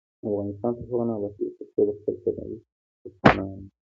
افغانستان تر هغو نه ابادیږي، ترڅو د خپل سرنوشت څښتنان نشو.